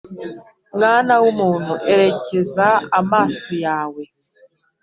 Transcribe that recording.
Mwana w umuntu erekeza amaso yawe i